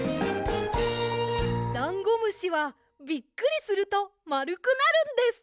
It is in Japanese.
ダンゴムシはびっくりするとまるくなるんです。